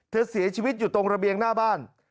เสียชีวิตอยู่ตรงระเบียงหน้าบ้าน